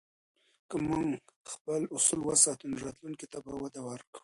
که موږ خپل اصول وساتو، نو راتلونکي ته به وده ورکوو.